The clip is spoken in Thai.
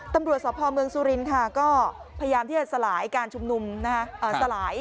ตำรวจสพเมืองสุรินค่ะก็พยายามที่จะสลายการชุมนุมสลาย